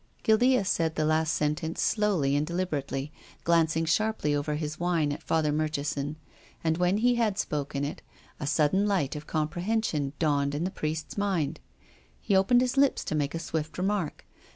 Guildea said the last sentence slowly and de liberately, glancing sharply over his wine at Father Murchison, and, when he had spoken it, a sudden light of comprehension dawned in the Priest's mind. He opened his lips to make a swift remark.